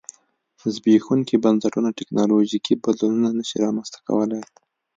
زبېښونکي بنسټونه ټکنالوژیکي بدلونونه نه شي رامنځته کولای